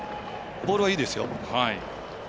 ボールはいいですよ。